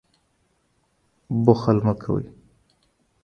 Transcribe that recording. بخل مه کوئ.